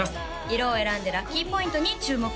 色を選んでラッキーポイントに注目